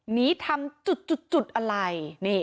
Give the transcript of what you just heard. หนีทำจุดอะไร